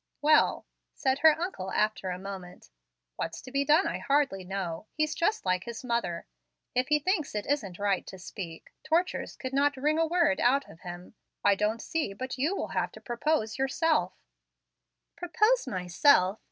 "Well," said her uncle, after a moment, "what's to be done I hardly know. He is just like his mother. If he thinks it isn't right to speak, tortures could not wring a word out of him. I don't see but you will have to propose yourself " "Propose myself!